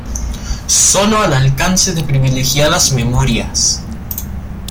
sólo al alcance de privilegiadas memorias